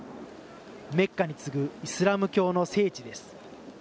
メッカに次ぐイスラム教の聖地です。